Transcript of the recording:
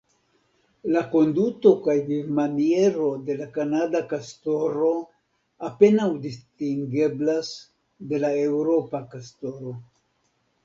La konduto kaj vivmaniero de la kanada kastoro apenaŭ distingeblas de la eŭropa kastoro.